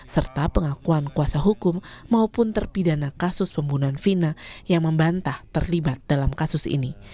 serta pengakuan kuasa hukum maupun terpidana kasus pembunuhan vina yang membantah terlibat dalam kasus ini